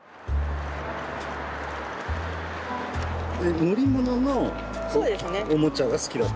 乗り物のおもちゃが好きだった？